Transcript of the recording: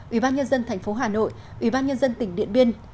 ủy ban nhân dân tp hcm ủy ban nhân dân tỉnh điện biên